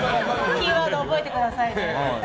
キーワード覚えてくださいね。